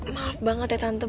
maaf banget ya tante